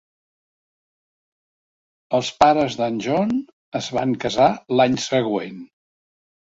Els pares d'en John es van casar l'any següent.